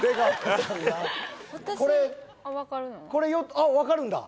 あっ分かるんだ？